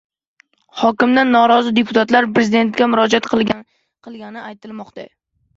Hokimdan norozi deputatlar Prezidentga murojaat qilgani aytilmoqda